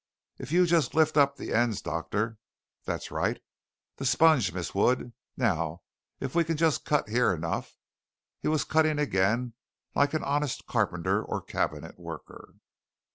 If you just lift up the ends, doctor. That's right. The sponge, Miss Wood. Now, if we can just cut here enough" he was cutting again like an honest carpenter or cabinet worker.